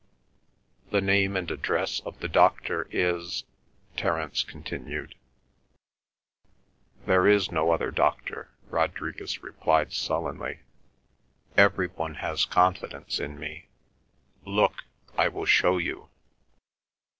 "The name and address of the doctor is—?" Terence continued. "There is no other doctor," Rodriguez replied sullenly. "Every one has confidence in me. Look! I will show you."